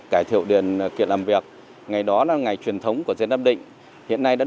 cải thiệu điền kiện làm việc ngày đó là ngày truyền thống của dân nam định hiện nay đã